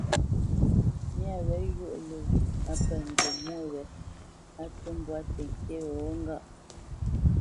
Myâ wě zhwôʼ lə́ á pə̂ ŋgi mwô wě, á cû mbwǎ tənkyé wéghó ŋgâʼ.